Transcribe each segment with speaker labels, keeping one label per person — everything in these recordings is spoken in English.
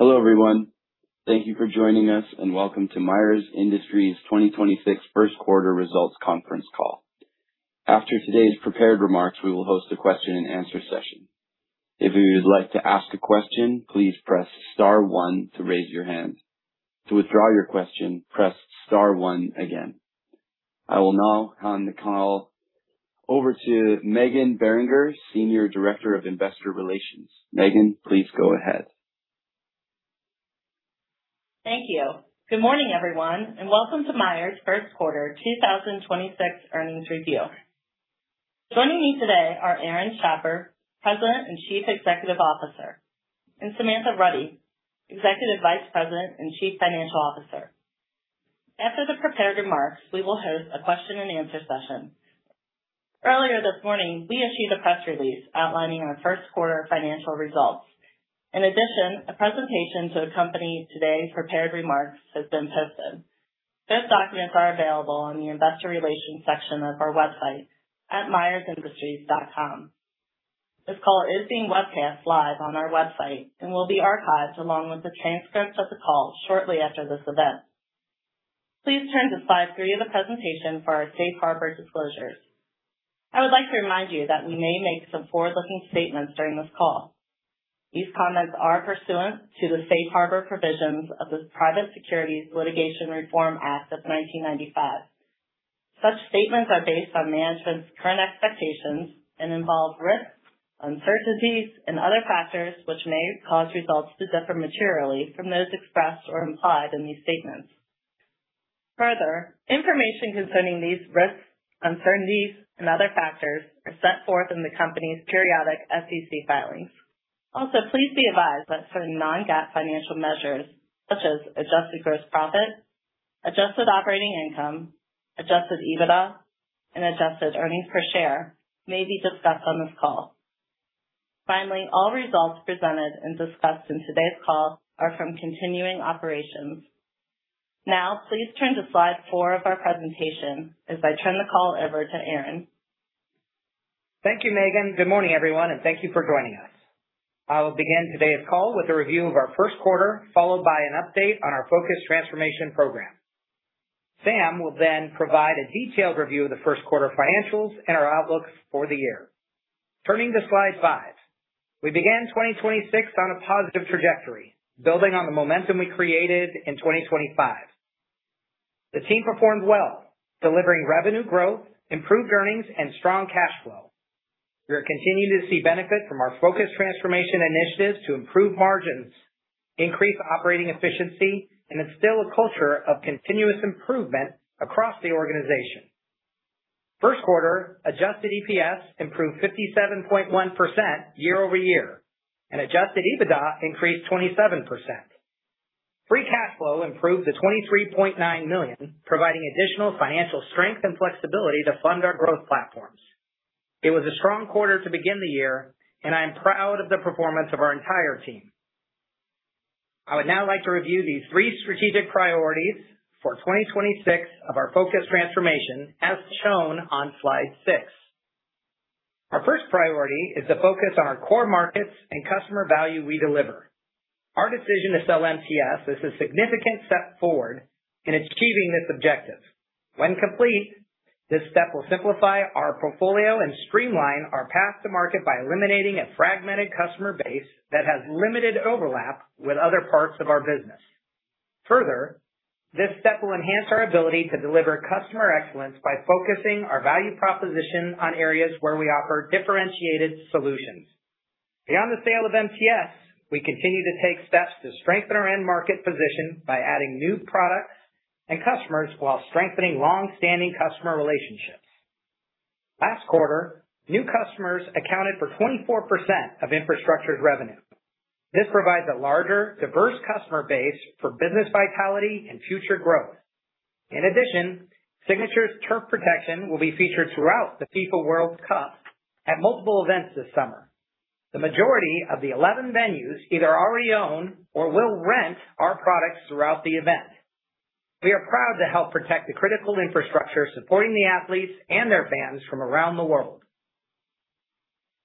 Speaker 1: Hello, everyone. Thank you for joining us, and welcome to Myers Industries 2026 first quarter results conference call. After today's prepared remarks, we will host a question-and-answer session. If you would like to ask a question, please press star one to raise your hand. To withdraw your question, press star one again. I will now hand the call over to Meghan Beringer, Senior Director of Investor Relations. Meghan, please go ahead.
Speaker 2: Thank you. Good morning, everyone, and welcome to Myers' first quarter 2026 earnings review. Joining me today are Aaron Schapper, President and Chief Executive Officer, and Samantha Rutty, Executive Vice President and Chief Financial Officer. After the prepared remarks, we will host a question-and-answer session. Earlier this morning, we issued a press release outlining our first quarter financial results. In addition, a presentation to accompany today prepared remarks has been posted. This documents are available in the investor relations section of our website at myersindustries.com. This call is being webcast live on our website and will be archived along with the transcript of the call shortly after this event. Please turn to slide three of the presentation for our safe harbor disclosures. I would like to remind you that we may make some forward-looking statements during this call. These comments are pursuant to the safe harbor provisions of the Private Securities Litigation Reform Act of 1995. Such statements are based on management's current expectations and involve risks, uncertainties, and other factors which may cause results to differ materially from those expressed or implied in these statements. Further, information concerning these risks, uncertainties, and other factors are set forth in the company's periodic SEC filings. Also, please be advised that certain non-GAAP financial measures, such as adjusted gross profit, adjusted operating income, adjusted EBITDA, and adjusted earnings per share may be discussed on this call. Finally, all results presented and discussed in today's call are from continuing operations. Now, please turn to slide four of our presentation as I turn the call over to Aaron.
Speaker 3: Thank you, Meghan. Good morning, everyone, thank you for joining us. I will begin today's call with a review of our first quarter, followed by an update on our focused transformation program. Sam will then provide a detailed review of the first quarter financials and our outlooks for the year. Turning to slide five. We began 2026 on a positive trajectory, building on the momentum we created in 2025. The team performed well, delivering revenue growth, improved earnings, and strong cash flow. We are continuing to see benefit from our focused transformation initiatives to improve margins, increase operating efficiency, and instill a culture of continuous improvement across the organization. First quarter adjusted EPS improved 57.1% year-over-year, and adjusted EBITDA increased 27%. Free cash flow improved to $23.9 million, providing additional financial strength and flexibility to fund our growth platforms. It was a strong quarter to begin the year, and I am proud of the performance of our entire team. I would now like to review the three strategic priorities for 2026 of our focus transformation, as shown on slide six. Our first priority is to focus on our core markets and customer value we deliver. Our decision to sell MTS is a significant step forward in achieving this objective. When complete, this step will simplify our portfolio and streamline our path to market by eliminating a fragmented customer base that has limited overlap with other parts of our business. This step will enhance our ability to deliver customer excellence by focusing our value proposition on areas where we offer differentiated solutions. Beyond the sale of MTS, we continue to take steps to strengthen our end market position by adding new products and customers while strengthening long-standing customer relationships. Last quarter, new customers accounted for 24% of Infrastructure's revenue. This provides a larger, diverse customer base for business vitality and future growth. Signature's turf protection will be featured throughout the FIFA World Cup at multiple events this summer. The majority of the 11 venues either already own or will rent our products throughout the event. We are proud to help protect the critical infrastructure supporting the athletes and their fans from around the world.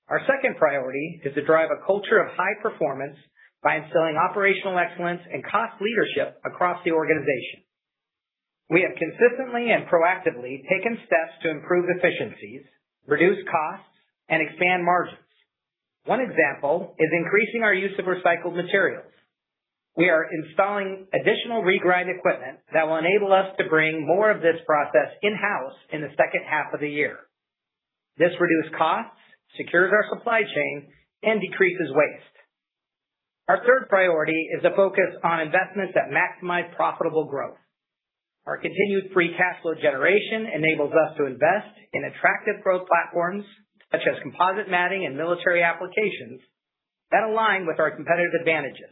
Speaker 3: Our second priority is to drive a culture of high performance by instilling operational excellence and cost leadership across the organization. We have consistently and proactively taken steps to improve efficiencies, reduce costs, and expand margins. One example is increasing our use of recycled materials. We are installing additional regrind equipment that will enable us to bring more of this process in-house in the second half of the year. This reduce costs, secures our supply chain, and decreases waste. Our third priority is a focus on investments that maximize profitable growth. Our continued free cash flow generation enables us to invest in attractive growth platforms such as composite matting and military applications that align with our competitive advantages.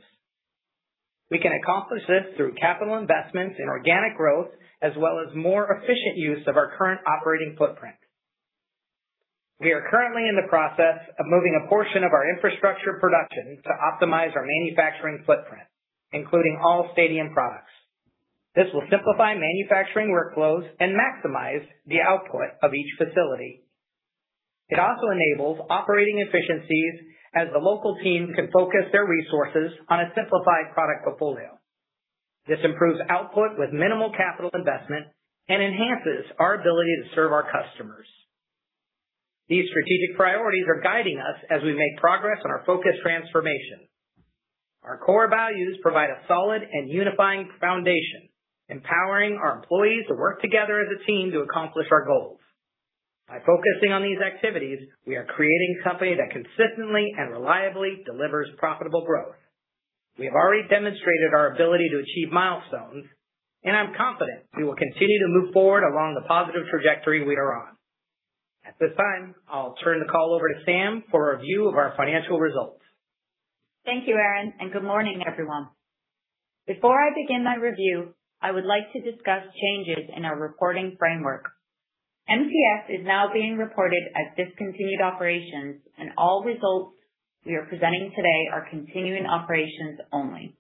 Speaker 3: We can accomplish this through capital investments in organic growth as well as more efficient use of our current operating footprint. We are currently in the process of moving a portion of our infrastructure production to optimize our manufacturing footprint, including all stadium products. This will simplify manufacturing workflows and maximize the output of each facility. It also enables operating efficiencies as the local team can focus their resources on a simplified product portfolio. This improves output with minimal capital investment and enhances our ability to serve our customers. These strategic priorities are guiding us as we make progress on our focused transformation. Our core values provide a solid and unifying foundation, empowering our employees to work together as a team to accomplish our goals. By focusing on these activities, we are creating a company that consistently and reliably delivers profitable growth. We have already demonstrated our ability to achieve milestones, and I'm confident we will continue to move forward along the positive trajectory we are on. At this time, I'll turn the call over to Sam for a review of our financial results.
Speaker 4: Thank you, Aaron, and good morning, everyone. Before I begin my review, I would like to discuss changes in our reporting framework. MTS is now being reported as discontinued operations, and all results we are presenting today are continuing operations only.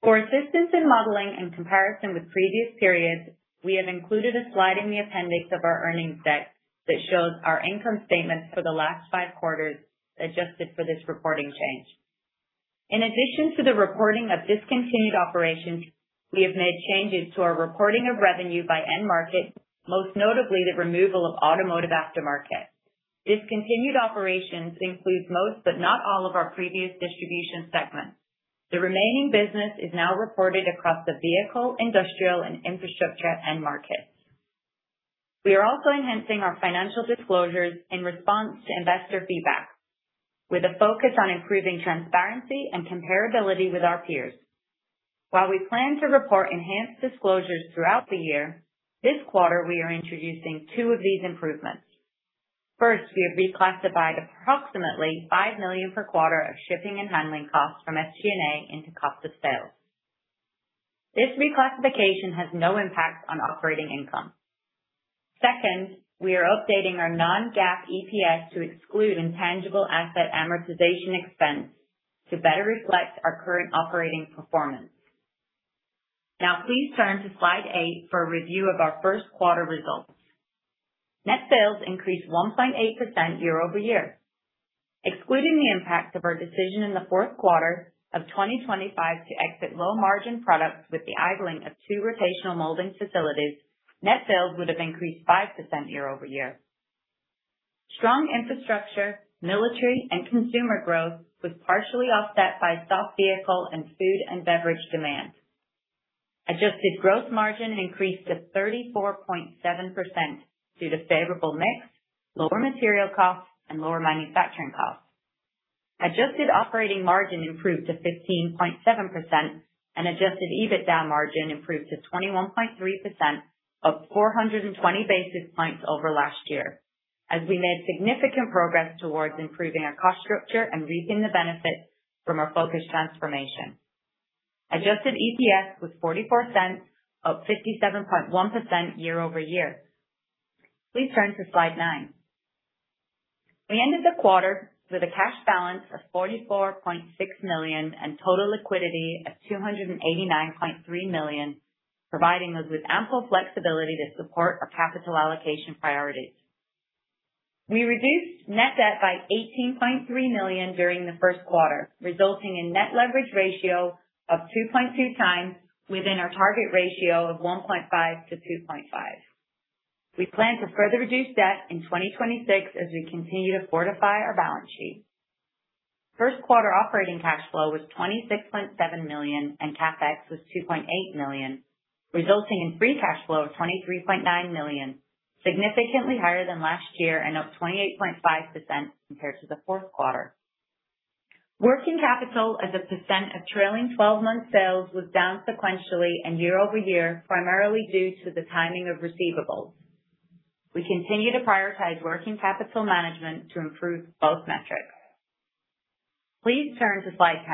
Speaker 4: For assistance in modeling and comparison with previous periods, we have included a slide in the appendix of our earnings deck that shows our income statements for the last five quarters adjusted for this reporting change. In addition to the reporting of discontinued operations, we have made changes to our reporting of revenue by end market, most notably the removal of automotive aftermarket. Discontinued operations includes most, but not all, of our previous distribution segments. The remaining business is now reported across the vehicle, industrial, and infrastructure end markets. We are also enhancing our financial disclosures in response to investor feedback, with a focus on improving transparency and comparability with our peers. While we plan to report enhanced disclosures throughout the year, this quarter we are introducing two of these improvements. First, we have reclassified approximately $5 million per quarter of shipping and handling costs from SG&A into cost of sales. This reclassification has no impact on operating income. Second, we are updating our non-GAAP EPS to exclude intangible asset amortization expense to better reflect our current operating performance. Now please turn to slide eight for a review of our first quarter results. Net sales increased 1.8% year-over-year. Excluding the impact of our decision in the fourth quarter of 2025 to exit low margin products with the idling of two rotational molding facilities, net sales would have increased 5% year-over-year. Strong infrastructure, military, and consumer growth was partially offset by soft vehicle and food and beverage demand. Adjusted gross margin increased to 34.7% due to favorable mix, lower material costs, and lower manufacturing costs. Adjusted operating margin improved to 15.7%, and adjusted EBITDA margin improved to 21.3%, up 420 basis points over last year, as we made significant progress towards improving our cost structure and reaping the benefits from our focused transformation. Adjusted EPS was $0.44, up 57.1% year-over-year. Please turn to slide nine. We ended the quarter with a cash balance of $44.6 million and total liquidity of $289.3 million, providing us with ample flexibility to support our capital allocation priorities. We reduced net debt by $18.3 million during the first quarter, resulting in net leverage ratio of 2.2x within our target ratio of 1.5x-2.5x. We plan to further reduce debt in 2026 as we continue to fortify our balance sheet. First quarter operating cash flow was $26.7 million, and CapEx was $2.8 million, resulting in free cash flow of $23.9 million, significantly higher than last year and up 28.5% compared to the fourth quarter. Working capital as a % of trailing 12-month sales was down sequentially and year-over-year, primarily due to the timing of receivables. We continue to prioritize working capital management to improve both metrics. Please turn to slide 10.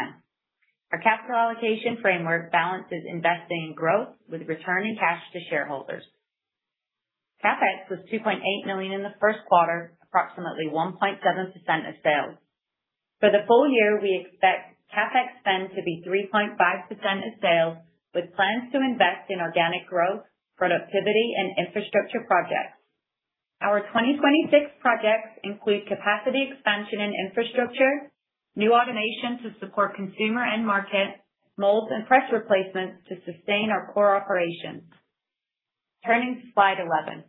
Speaker 4: Our capital allocation framework balances investing in growth with returning cash to shareholders. CapEx was $2.8 million in the first quarter, approximately 1.7% of sales. For the full-year, we expect CapEx spend to be 3.5% of sales, with plans to invest in organic growth, productivity, and infrastructure projects. Our 2026 projects include capacity expansion and infrastructure, new automation to support consumer end market, molds and press replacements to sustain our core operations. Turning to slide 11.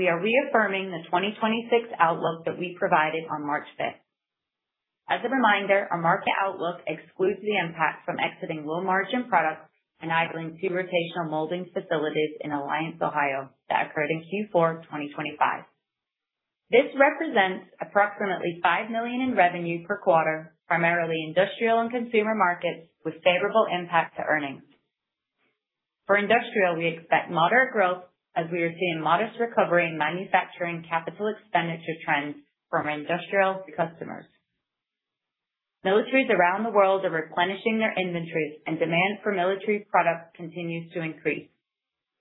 Speaker 4: We are reaffirming the 2026 outlook that we provided on March 5. As a reminder, our market outlook excludes the impact from exiting low margin products and idling two rotational molding facilities in Alliance, Ohio, that occurred in Q4 2025. This represents approximately $5 million in revenue per quarter, primarily industrial and consumer markets with favorable impact to earnings. For industrial, we expect moderate growth as we are seeing modest recovery in manufacturing capital expenditure trends from our industrial customers. Militaries around the world are replenishing their inventories, and demand for military products continues to increase.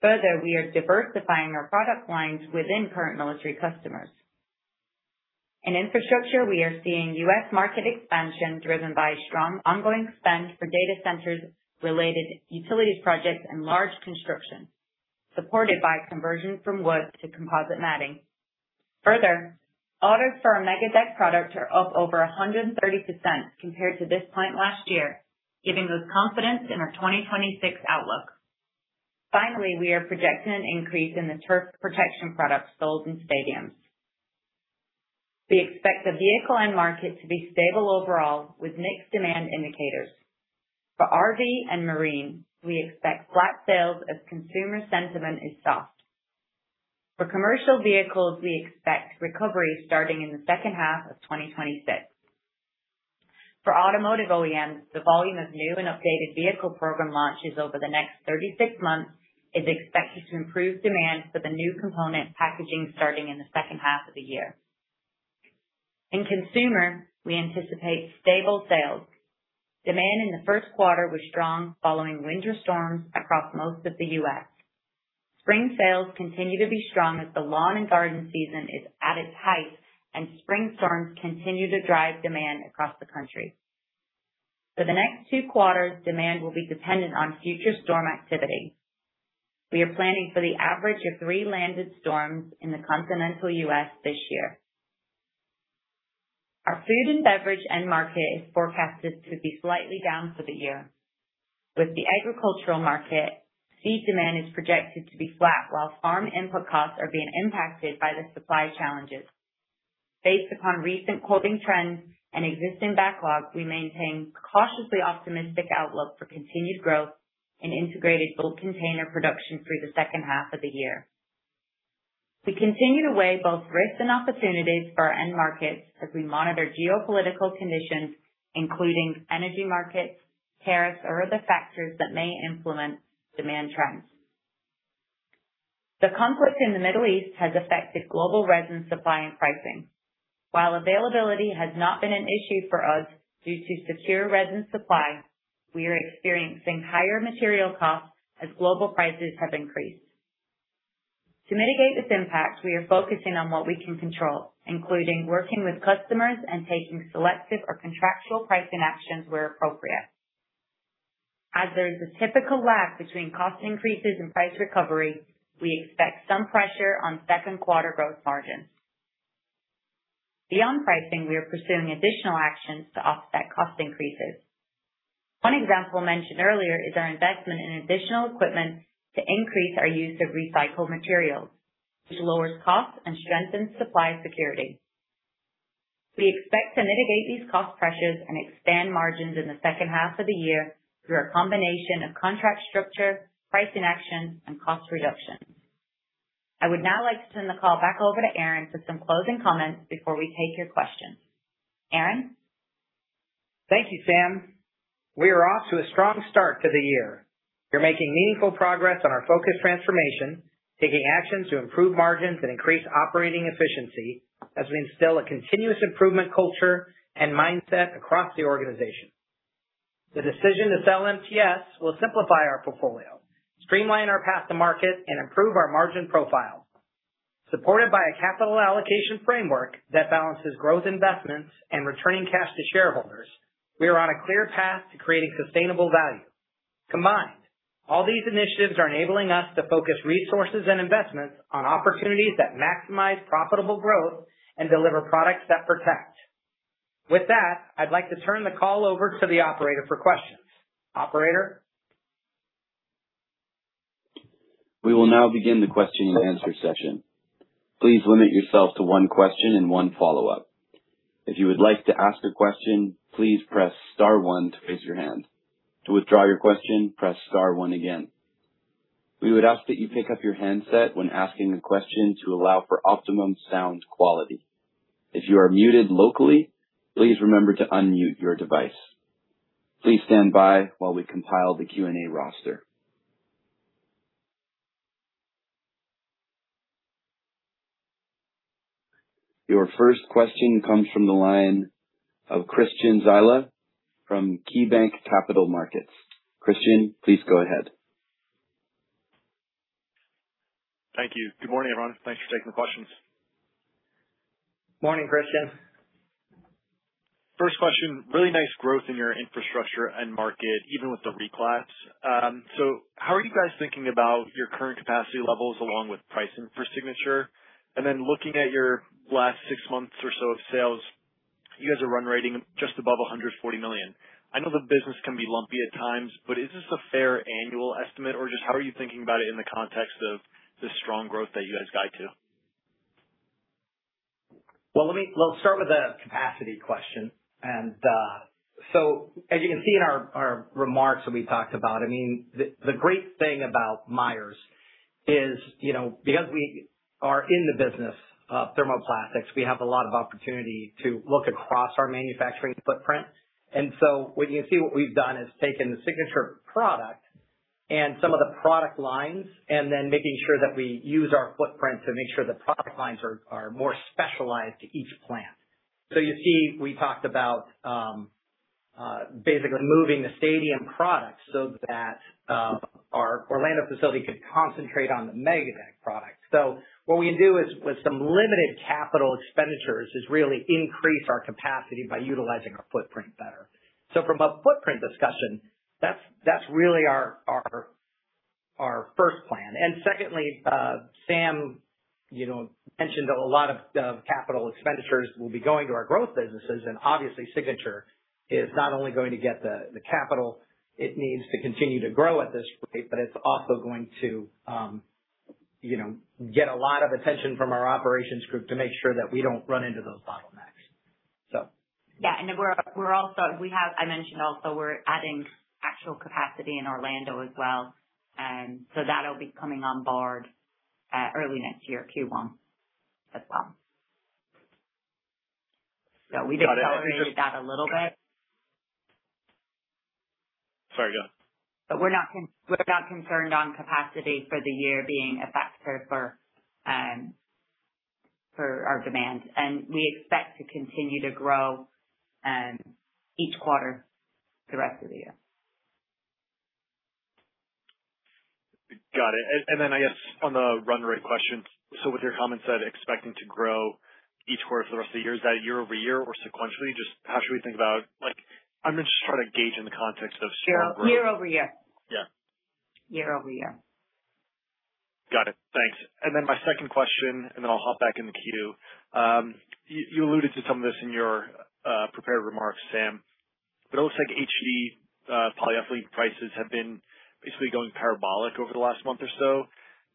Speaker 4: Further, we are diversifying our product lines within current military customers. In infrastructure, we are seeing U.S. market expansion driven by strong ongoing spend for data centers related utilities projects and large construction, supported by conversion from wood to composite matting. Further, orders for our MegaDeck product are up over 130% compared to this point last year, giving us confidence in our 2026 outlook. Finally, we are projecting an increase in the turf protection products sold in stadiums. We expect the vehicle end market to be stable overall with mixed demand indicators. For RV and marine, we expect flat sales as consumer sentiment is soft. For commercial vehicles, we expect recovery starting in the second half of 2026. For automotive OEMs, the volume of new and updated vehicle program launches over the next 36 months is expected to improve demand for the new component packaging starting in the second half of the year. In consumer, we anticipate stable sales. Demand in the first quarter was strong following winter storms across most of the U.S. Spring sales continue to be strong as the lawn and garden season is at its height, and spring storms continue to drive demand across the country. For the next two quarters, demand will be dependent on future storm activity. We are planning for the average of three landed storms in the continental U.S. this year. Our food and beverage end market is forecasted to be slightly down for the year. With the agricultural market, seed demand is projected to be flat while farm input costs are being impacted by the supply challenges. Based upon recent quoting trends and existing backlogs, we maintain cautiously optimistic outlook for continued growth in intermediate bulk container production through the second half of the year. We continue to weigh both risks and opportunities for our end markets as we monitor geopolitical conditions, including energy markets, tariffs, or other factors that may implement demand trends. The conflict in the Middle East has affected global resin supply and pricing. While availability has not been an issue for us due to secure resin supply, we are experiencing higher material costs as global prices have increased. To mitigate this impact, we are focusing on what we can control, including working with customers and taking selective or contractual pricing actions where appropriate. As there is a typical lag between cost increases and price recovery, we expect some pressure on second quarter gross margins. Beyond pricing, we are pursuing additional actions to offset cost increases. One example mentioned earlier is our investment in additional equipment to increase our use of recycled materials, which lowers costs and strengthens supply security. We expect to mitigate these cost pressures and expand margins in the second half of the year through a combination of contract structure, pricing actions, and cost reductions. I would now like to turn the call back over to Aaron for some closing comments before we take your questions. Aaron?
Speaker 3: Thank you, Sam. We are off to a strong start to the year. We're making meaningful progress on our focused transformation, taking actions to improve margins and increase operating efficiency as we instill a continuous improvement culture and mindset across the organization. The decision to sell MTS will simplify our portfolio, streamline our path to market, and improve our margin profile. Supported by a capital allocation framework that balances growth investments and returning cash to shareholders, we are on a clear path to creating sustainable value. Combined, all these initiatives are enabling us to focus resources and investments on opportunities that maximize profitable growth and deliver products that protect. With that, I'd like to turn the call over to the operator for questions. Operator?
Speaker 1: We will now begin the question-and-answer session. Please limit yourself to one question and one follow-up. If you would like to ask a question, please press star one to raise your hand. To withdraw your question, press star one again. We would ask that you pick up your handset when asking the question to allow for optimum sound quality. If you are muted locally, please remember to unmute your device. Please stand by while we compile the Q&A roster. Your first question comes from the line of Christian Zyla from KeyBanc Capital Markets. Christian, please go ahead.
Speaker 5: Thank you. Good morning, everyone. Thanks for taking the questions.
Speaker 3: Morning, Christian.
Speaker 5: First question, really nice growth in your infrastructure end market, even with the reclass. How are you guys thinking about your current capacity levels along with pricing for Signature? Looking at your last six months or so of sales, you guys are run rating just above $140 million. I know the business can be lumpy at times, but is this a fair annual estimate, or just how are you thinking about it in the context of the strong growth that you guys guide to?
Speaker 3: Well, let's start with the capacity question. As you can see in our remarks that we talked about, I mean, the great thing about Myers Industries is, you know, because we are in the business of thermoplastics, we have a lot of opportunity to look across our manufacturing footprint. What you can see what we've done is taken the Signature product and some of the product lines, and then making sure that we use our footprint to make sure the product lines are more specialized to each plant. You see, we talked about basically moving the stadium products so that our Orlando facility could concentrate on the MegaDeck product. What we can do is with some limited capital expenditures, is really increase our capacity by utilizing our footprint better. From a footprint discussion, that's really our first plan. Secondly, Sam, you know, mentioned that a lot of capital expenditures will be going to our growth businesses. Obviously Signature is not only going to get the capital it needs to continue to grow at this rate, but it's also going to, you know, get a lot of attention from our operations group to make sure that we don't run into those bottlenecks.
Speaker 4: Yeah. I mentioned also we're adding actual capacity in Orlando as well. That'll be coming on board early next year, Q1 as well. We just accelerated that a little bit.
Speaker 5: Sorry, go ahead.
Speaker 4: We're not concerned on capacity for the year being a factor for our demand. We expect to continue to grow each quarter for the rest of the year.
Speaker 5: Got it. I guess on the run rate question, with your comments that expecting to grow each quarter for the rest of the year, is that year-over-year or sequentially? Just how should we think about Like, I'm just trying to gauge in the context of share.
Speaker 4: Year-over-year.
Speaker 5: Yeah.
Speaker 4: Year-over-year.
Speaker 5: Got it. Thanks. My second question, then I'll hop back in the queue. You alluded to some of this in your prepared remarks, Sam. It looks like HDPE polyethylene prices have been basically going parabolic over the last month or so.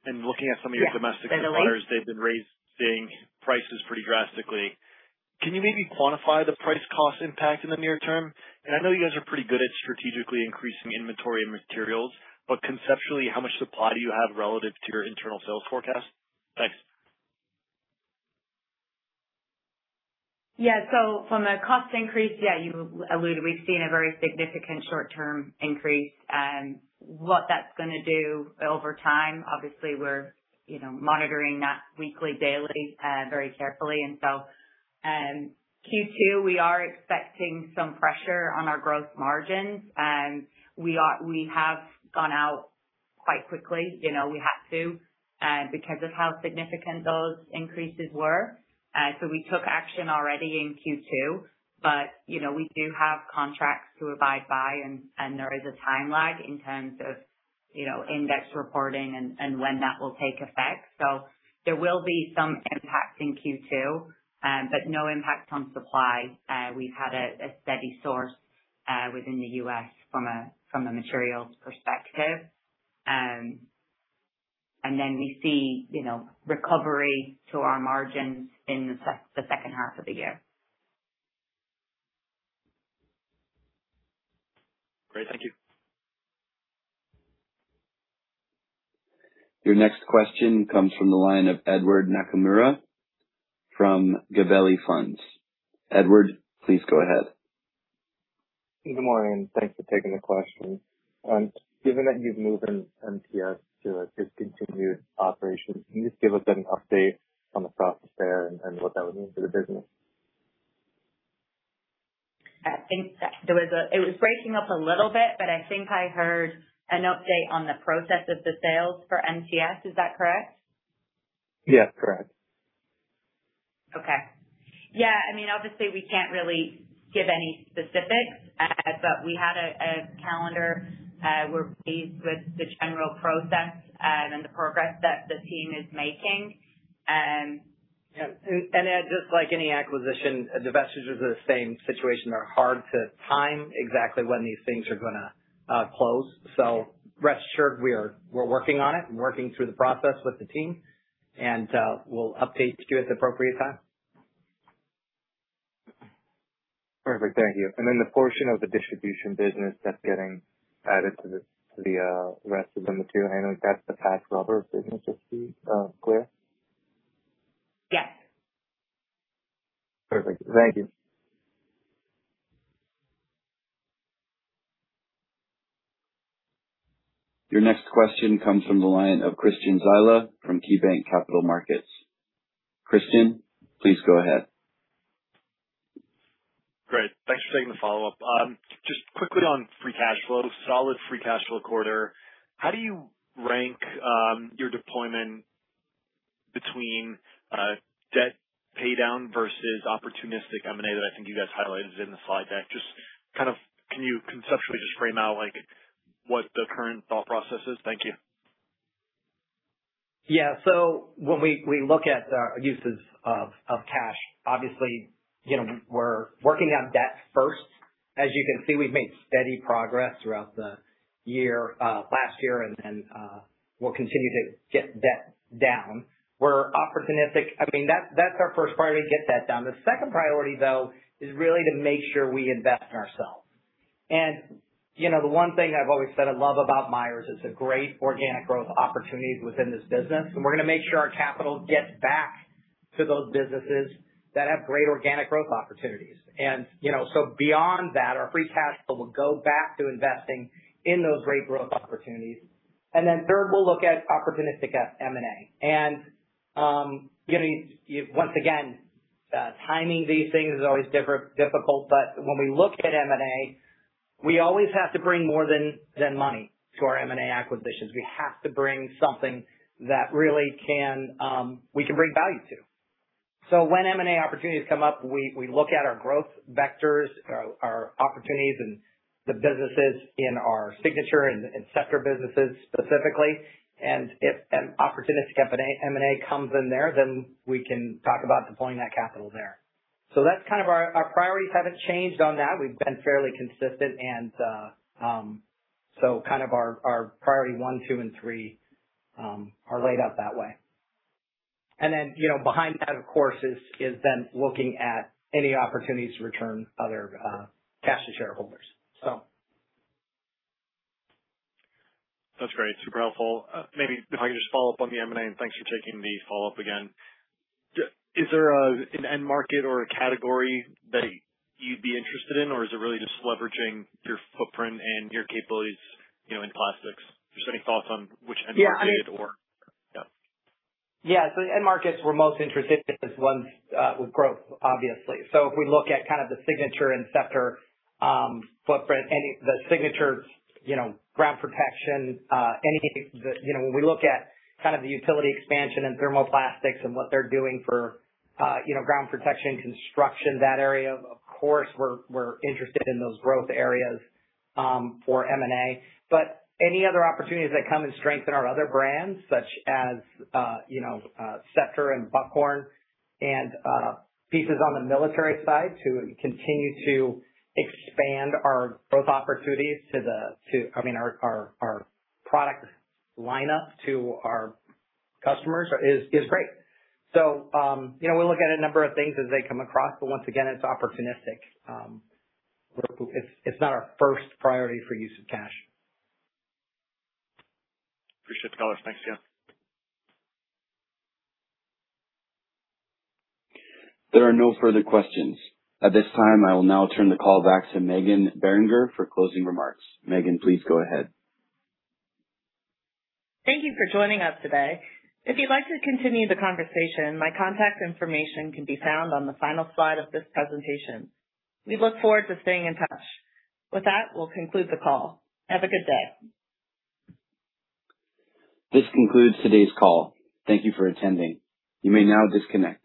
Speaker 5: Looking at some of your domestic suppliers, they've been raising prices pretty drastically. Can you maybe quantify the price cost impact in the near term? I know you guys are pretty good at strategically increasing inventory and materials, conceptually, how much supply do you have relative to your internal sales forecast? Thanks.
Speaker 4: From a cost increase, you alluded, we've seen a very significant short term increase. What that's gonna do over time, obviously we're, you know, monitoring that weekly, daily, very carefully. Q2, we are expecting some pressure on our gross margins. We have gone out quite quickly. You know, we had to, because of how significant those increases were. We took action already in Q2. You know, we do have contracts to abide by and there is a time lag in terms of, you know, index reporting and when that will take effect. There will be some impact in Q2, but no impact on supply. We've had a steady source within the U.S. from a materials perspective. We see, you know, recovery to our margins in the second half of the year.
Speaker 5: Great. Thank you.
Speaker 1: Your next question comes from the line of Edward Nakamura from Gabelli Funds. Edward, please go ahead.
Speaker 6: Good morning. Thanks for taking the question. Given that you've moved MTS to a discontinued operation, can you just give us an update on the process there and what that would mean for the business?
Speaker 4: It was breaking up a little bit, but I think I heard an update on the process of the sales for MTS. Is that correct?
Speaker 6: Yes, correct.
Speaker 4: Okay. Yeah, I mean, obviously we can't really give any specifics, but we had a calendar, we're pleased with the general process and the progress that the team is making.
Speaker 3: Yeah. Ed, just like any acquisition, divestitures are the same situation. They're hard to time exactly when these things are gonna close. Rest assured we're working on it and working through the process with the team. We'll update you at the appropriate time.
Speaker 6: Perfect. Thank you. Then the portion of the distribution business that's getting added to the rest of number two, I know that's the Patch Rubber business, just to be clear.
Speaker 4: Yes.
Speaker 6: Perfect. Thank you.
Speaker 1: Your next question comes from the line of Christian Zyla from KeyBanc Capital Markets. Christian, please go ahead.
Speaker 5: Great. Thanks for taking the follow-up. Just quickly on free cash flow. Solid free cash flow quarter. How do you rank, your deployment between, debt paydown versus opportunistic M&A that I think you guys highlighted in the slide deck? Just kind of, can you conceptually just frame out, like, what the current thought process is? Thank you.
Speaker 3: When we look at uses of cash, obviously, you know, we're working on debt first. As you can see, we've made steady progress throughout the year, last year, and then, we'll continue to get debt down. We're opportunistic. I mean, that's our first priority, to get that down. The second priority, though, is really to make sure we invest in ourselves. You know, the one thing I've always said I love about Myers is the great organic growth opportunities within this business. We're gonna make sure our capital gets back to those businesses that have great organic growth opportunities. You know, beyond that, our free cash flow will go back to investing in those great growth opportunities. Third, we'll look at opportunistic M&A. You know, once again, timing these things is always difficult, but when we look at M&A, we always have to bring more than money to our M&A acquisitions. We have to bring something that really can, we can bring value to. When M&A opportunities come up, we look at our growth vectors, our opportunities and the businesses in our Signature and Scepter businesses specifically. If an opportunistic M&A comes in there, then we can talk about deploying that capital there. Our priorities haven't changed on that. We've been fairly consistent and kind of our priority one, two, and three are laid out that way. You know, behind that, of course, is then looking at any opportunities to return other cash to shareholders.
Speaker 5: That's great. Super helpful. Maybe if I could just follow up on the M&A, and thanks for taking the follow-up again. Is there an end market or a category that you'd be interested in, or is it really just leveraging your footprint and your capabilities, you know, in plastics? Just any thoughts on which end market?
Speaker 3: End markets we're most interested in is ones with growth, obviously. If we look at kind of the Signature and Scepter footprint, the Signature, you know, ground protection, anything that, you know, when we look at kind of the utility expansion and thermoplastics and what they're doing for, you know, ground protection, construction, that area, of course, we're interested in those growth areas for M&A. Any other opportunities that come and strengthen our other brands, such as, you know, Scepter and Buckhorn and pieces on the military side to continue to expand our growth opportunities. I mean, our product lineup to our customers is great. You know, we look at a number of things as they come across, but once again, it's opportunistic. It's not our first priority for use of cash.
Speaker 5: Appreciate the color. Thanks, yeah.
Speaker 1: There are no further questions. At this time, I will now turn the call back to Meghan Beringer for closing remarks. Meghan, please go ahead.
Speaker 2: Thank you for joining us today. If you'd like to continue the conversation, my contact information can be found on the final slide of this presentation. We look forward to staying in touch. With that, we'll conclude the call. Have a good day.
Speaker 1: This concludes today's call. Thank you for attending. You may now disconnect.